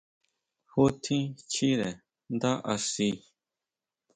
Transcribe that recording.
¿Ju tjín chire ndá axi?